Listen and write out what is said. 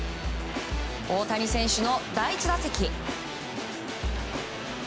大谷選手の第１打席。